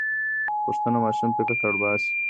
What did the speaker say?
پوښتنه ماشوم فکر ته اړ باسي.